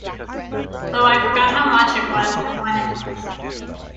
Though I forgot how much it was and when it was.